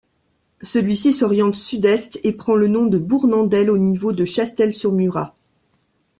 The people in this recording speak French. Celui-ci s'oriente sud-est et prend le nom de Bournandel au niveau de Chastel-sur-Murat.